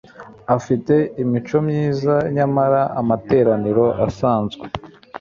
afite imico myiza nyamara amateraniro asanzwe